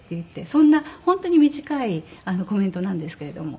そんな本当に短いコメントなんですけれども。